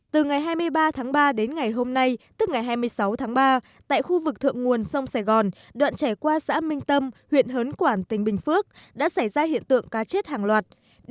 từ ngày hai mươi ba tháng ba đến ngày hôm nay tức ngày hai mươi sáu tháng ba tại khu vực thượng nguồn sông sài gòn đoạn chảy qua xã minh tâm huyện hớn quản tỉnh bình phước đã xảy ra hiện tượng cá chết hàng loạt